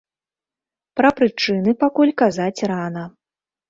Пра прычыны пакуль казаць рана.